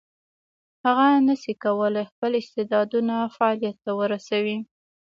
هغه نشي کولای خپل استعدادونه فعلیت ته ورسوي.